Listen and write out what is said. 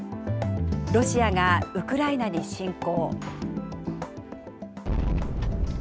ロシアがウクライナに侵攻。